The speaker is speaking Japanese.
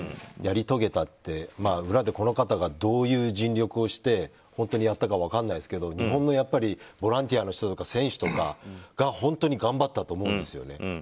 やり遂げたって裏で、この方がどういう尽力をして本当にやったか分からないですが日本のボランティアの人とか選手とかが本当に頑張ったと思うんですよね。